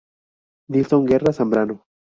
Nilson Guerra Zambrano.